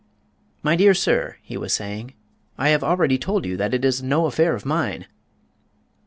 "My dear sir," he was saying, "I have already told you that it is no affair of mine."